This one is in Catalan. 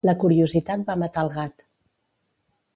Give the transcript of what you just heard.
La curiositat va matar el gat.